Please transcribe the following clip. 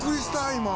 今。